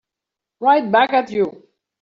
Right back at you.